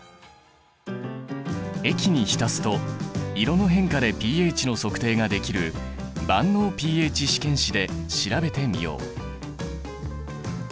液に浸すと色の変化でｐＨの測定ができる万能ｐＨ試験紙で調べてみよう。